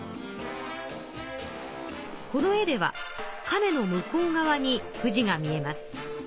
この絵ではカメの向こう側に富士が見えます。